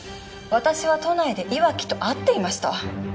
私は都内で岩城と会っていました。